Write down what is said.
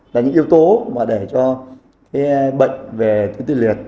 là những yếu tố mà để cho bệnh về tuyến tiến liệt